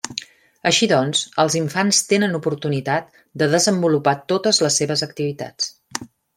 Així doncs, els infants tenen oportunitat de desenvolupar totes les seves activitats.